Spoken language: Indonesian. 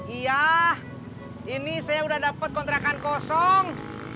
iya ini saya udah dapat kontrakan kosong